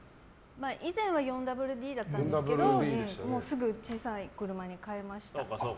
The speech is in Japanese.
以前は４ＷＤだったんですけどすぐ小さい車に変えました。